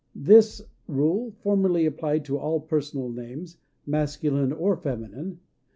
This rule formerly applied to all personal names, masculine or feminine.